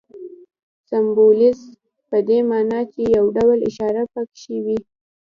سمبولیزم په دې ماناچي یو ډول اشاره پکښې وي.